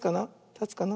たつかな。